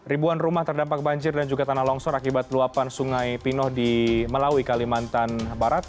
ribuan rumah terdampak banjir dan juga tanah longsor akibat luapan sungai pinoh di melawi kalimantan barat